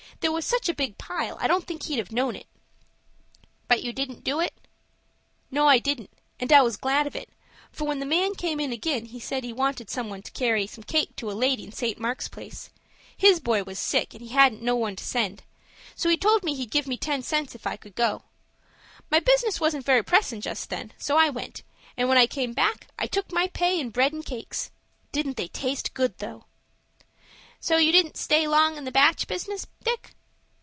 There was such a big pile I don't think he'd have known it." "But you didn't do it?" "No, I didn't and I was glad of it, for when the man came in ag'in, he said he wanted some one to carry some cake to a lady in St. Mark's Place. His boy was sick, and he hadn't no one to send; so he told me he'd give me ten cents if I would go. My business wasn't very pressin' just then, so I went, and when I come back, I took my pay in bread and cakes. Didn't they taste good, though?" "So you didn't stay long in the match business, Dick?"